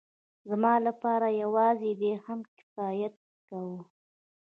زما لپاره يوازې دې هم کفايت کاوه.